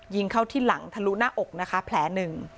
ยิงเข้าที่หลังทะลุหน้าอกนะคะแผลหนึ่ง